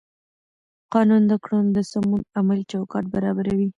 قانون د کړنو د سمون عملي چوکاټ برابروي.